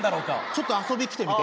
ちょっと遊び来てみて。